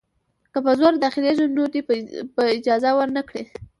که په زور داخلیږي نو دی به اجازه ورنه کړي.